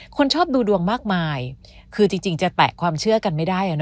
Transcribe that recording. คนชอบดูดวงมากมายคือจริงจะแตะความเชื่อกันไม่ได้